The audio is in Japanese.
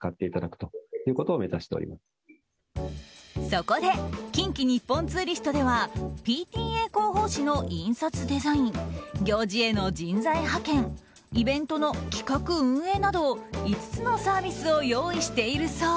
そこで近畿日本ツーリストではＰＴＡ広報誌の印刷デザイン行事への人材派遣イベントの企画・運営など５つのサービスを用意しているそう。